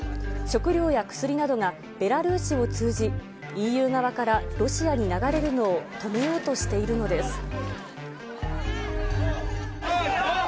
食料や薬などがベラルーシを通じ、ＥＵ側からロシアに流れるのを止めようとしているのです。